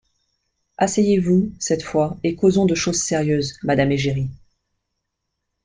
—Asseyez-vous, cette fois, et causons de choses Sérieuses, madame Égérie.